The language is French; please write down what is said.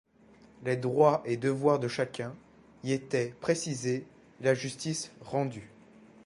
Les droits et devoirs de chacun y étaient précisés et la justice rendue.